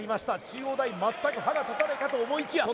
中央大全く歯が立たないかと思いきや